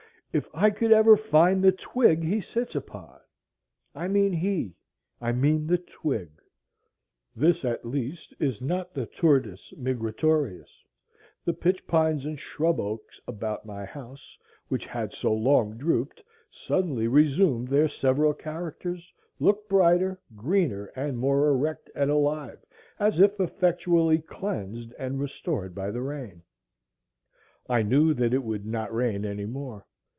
If I could ever find the twig he sits upon! I mean he; I mean the twig. This at least is not the Turdus migratorius. The pitch pines and shrub oaks about my house, which had so long drooped, suddenly resumed their several characters, looked brighter, greener, and more erect and alive, as if effectually cleansed and restored by the rain. I knew that it would not rain any more.